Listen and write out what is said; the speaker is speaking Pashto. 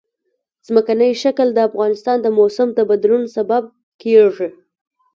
ځمکنی شکل د افغانستان د موسم د بدلون سبب کېږي.